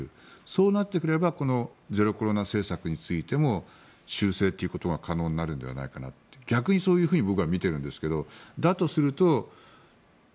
そうなってくればこのゼロコロナ政策についても修正ということが可能になるのではないかなと逆にそういうふうに僕は見ているんですがだとすると、Ｇ２０